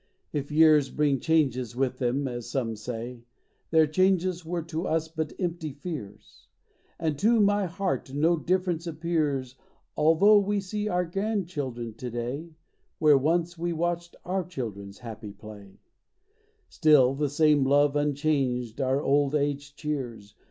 If years bring changes with them (as some say) Their changes were to us but empty fears; — And to my heart no difference appears Although we see our grandchildren to day Where once we watched our children's happy play: Still the same love unchanged our old age cheers.